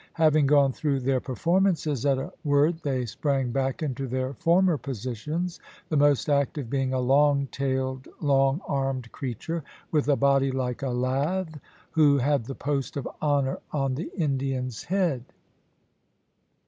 Having gone through their performances, at a word they sprang back into their former positions, the most active being a long tailed, long armed creature, with a body like a lath, who had the post of honour on the Indian's head.